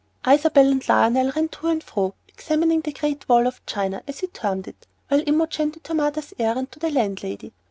Isabel and Lionel ran to and fro examining "the great wall of China," as he termed it, while Imogen did her mother's errand to the landlady.